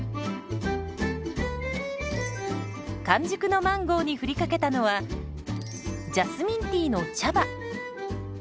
完熟のマンゴーに振りかけたのはジャスミンティーの茶葉。